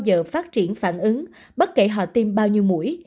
giờ phát triển phản ứng bất kể họ tiêm bao nhiêu mũi